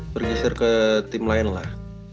bergeser ke tim lain lah